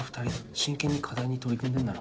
真剣に課題に取り組んでんだろ。